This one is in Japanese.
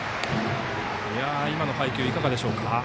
今の配球、いかがでしょうか。